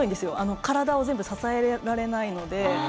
体を全部支えられないので。